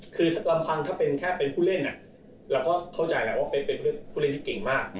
คือลำพังถ้าเป็นแค่เป็นผู้เล่นเราก็เข้าใจแล้วว่าเป็นผู้เล่นที่เก่งมาก